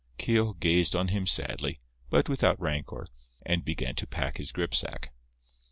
Keogh gazed on him sadly, but without rancour, and began to pack his gripsack.